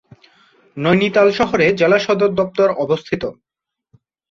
নৈনিতাল শহরে জেলা সদর দপ্তর অবস্থিত।